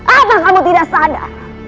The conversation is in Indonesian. apa kamu tidak sadar